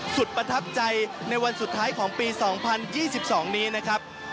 ประทับใจในวันสุดท้ายของปี๒๐๒๒นี้นะครับ